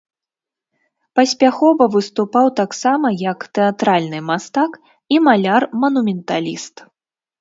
Паспяхова выступаў таксама як тэатральны мастак і маляр-манументаліст.